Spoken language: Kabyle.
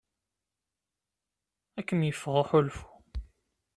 Ad kem-yeffeɣ uḥulfu.